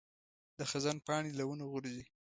د خزان پاڼې له ونو غورځي.